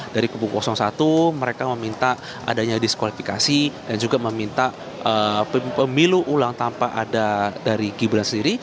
dari kubu satu mereka meminta adanya diskualifikasi dan juga meminta pemilu ulang tanpa ada dari gibran sendiri